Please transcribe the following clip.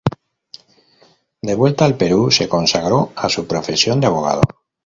De vuelta al Perú, se consagró a su profesión de abogado.